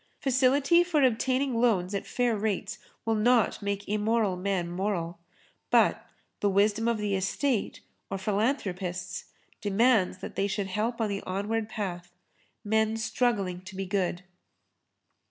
Facility for obtaining loans at fair rates will not make immoral men moral. But the wisdom of the Estate or philanthropists demands that they should help on the onward path, men struggling to be good.